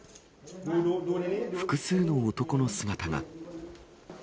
複数の男の姿が。